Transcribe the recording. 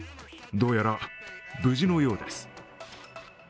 どうやら無事のようです。